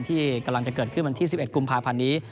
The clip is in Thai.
ที่กำลังจะเกิดขึ้นวันที่๑๑กุมภาพันธ์นี้